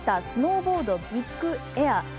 スノーボードビッグエア。